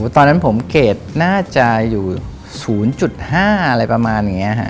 ตอนนั้นผมเกรดน่าจะอยู่๐๕อะไรประมาณอย่างนี้ฮะ